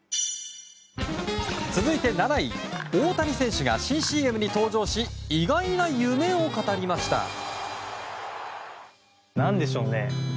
続いて、７位大谷選手が新ＣＭに登場し意外な夢を語りました。